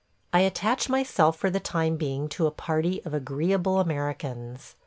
I attach myself for the time being to a party of agreeable Americans.